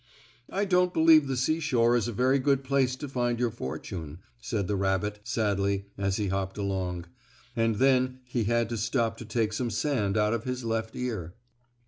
"I don't believe the seashore is a very good place to find your fortune," said the rabbit, sadly, as he hopped along. And then he had to stop to take some sand out of his left ear.